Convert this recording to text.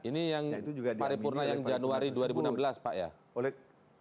ini yang paripurna yang januari dua ribu enam belas pak ya